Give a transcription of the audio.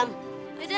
eh mas belunya